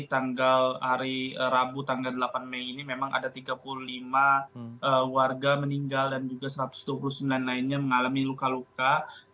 tanggal hari rabu tanggal delapan mei ini memang ada tiga puluh lima warga meninggal dan juga satu ratus dua puluh sembilan lainnya mengalami luka luka